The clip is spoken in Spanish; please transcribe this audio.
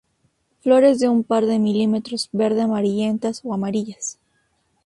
Flores de un par de milímetros verde-amarillentas o amarillas.